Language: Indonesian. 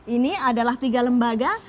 ini adalah tiga lembaga